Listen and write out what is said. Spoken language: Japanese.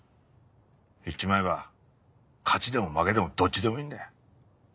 言っちまえば勝ちでも負けでもどっちでもいいんだよ。